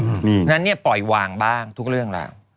เพราะฉะนั้นเนี่ยปล่อยวางบ้างทุกเรื่องราว